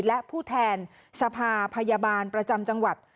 และผู้แทนสภาพยาบาลประจำจังหวัด